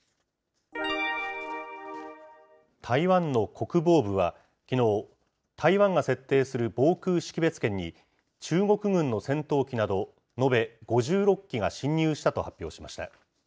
台湾の国防部は、きのう、台湾が設定する防空識別圏に、中国軍の戦闘機など延べ５６機が進入したと発表しました。